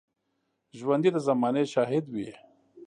ژوندي د زمانې شاهد وي